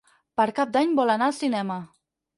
Per Cap d'Any vol anar al cinema.